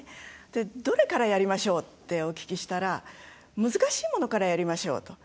どれからやりましょう？ってお聞きしたら難しいものからやりましょうと。